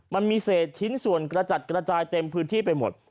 มันมีเศษชิ้นส่วนกระจัดกระจายเต็มพื้นที่ไปหมด